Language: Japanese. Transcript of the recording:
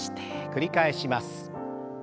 繰り返します。